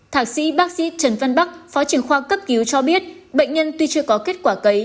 thạc sĩ bác sĩ trần văn bắc phó trưởng khoa cấp cứu cho biết bệnh nhân tuy chưa có kết quả cấy